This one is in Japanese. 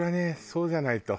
そうじゃないと。